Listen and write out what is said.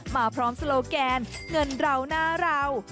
มาพร้อมโซโลแกนเงินเราหน้าเรา